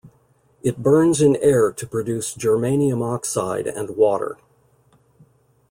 It burns in air to produce GeO and water.